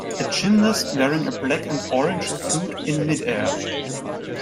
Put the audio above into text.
A gymnast wearing a black and orange suit in midair